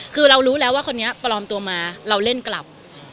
คือเรารู้แล้วว่าคนนี้ปลอมตัวมาเราเล่นกลับ